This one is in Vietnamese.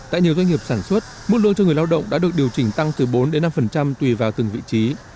tại nhiều doanh nghiệp sản xuất mức lương cho người lao động đã được điều chỉnh tăng từ bốn năm tùy vào từng vị trí